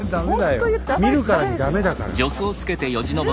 見るからにダメだから。